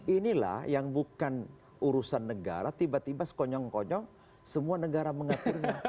inilah yang bukan urusan negara tiba tiba sekonyong konyong semua negara mengaturnya